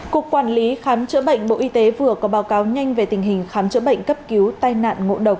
cục quản lý khám chữa bệnh bộ y tế vừa có báo cáo nhanh về tình hình khám chữa bệnh cấp cứu tai nạn ngộ độc